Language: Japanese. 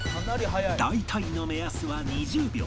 大体の目安は２０秒